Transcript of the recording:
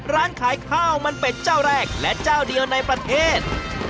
ร้านขายข้าวมันเป็ดเจ้าแรกและเจ้าเดียวในประเทศ